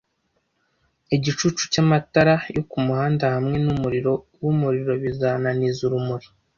Igicucu cyamatara yo kumuhanda hamwe numuriro-wumuriro bizananiza urumuri